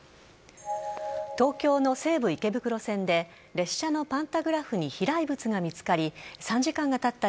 東京の西武池袋線で列車のパンタグラフに飛来物が見つかり３時間がたった